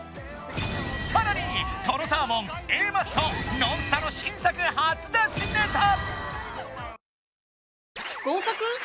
さらにとろサーモンＡマッソノンスタの新作初出しネタ！